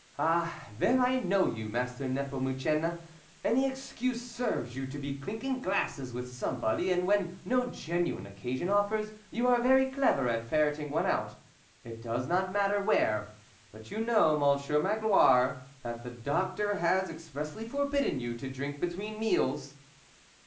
" Ah ! there I know you, Master N6pomucene ; any excuse serves you to be clinking glasses with somebody, and when no genuine occasion offers, you are very clever at ferreting out one, it does not matter where. But you know, Mon sieur Magloire, that the doctor has ex pressly forbidden you to drink between meals."